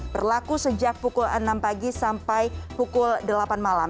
berlaku sejak pukul enam pagi sampai pukul delapan malam